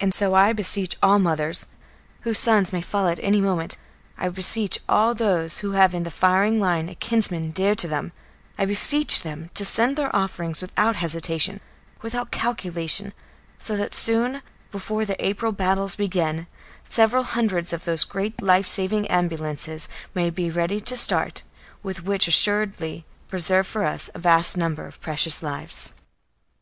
And so I beseech all mothers, whose sons may fall at any moment; I beseech all those who have in the firing line a kinsman dear to them; I beseech them to send their offerings without hesitation, without calculation, so that soon, before the April battles begin, several hundreds of those great life saving ambulances may be ready to start, which will assuredly preserve for us a vast number of precious lives.